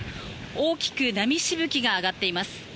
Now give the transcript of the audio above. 大きく波しぶきが上がっています。